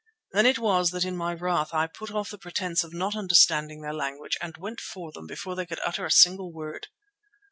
Then it was that in my wrath I put off the pretence of not understanding their language and went for them before they could utter a single word.